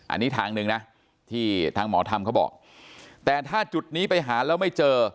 อันนี้ทางหนึ่งนะที่ทางหมอธรรมเขาบอกแต่ถ้าจุดนี้ไปหาแล้วไม่เจอ